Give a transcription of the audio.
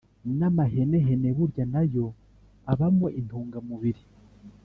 n’amahenehene burya na yo abamo intungamubiri